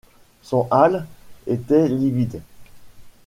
Son hâle était livide.